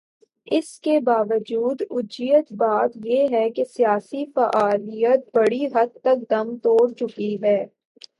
اس کے باوجود عجیب بات یہ ہے کہ سیاسی فعالیت بڑی حد تک دم توڑ چکی ہے۔